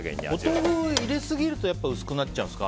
お豆腐を入れすぎるとやっぱり薄くなっちゃうんですか。